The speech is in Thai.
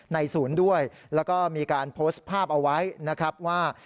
ศูนย์ด้วยแล้วก็มีการโพสต์ภาพเอาไว้นะครับว่า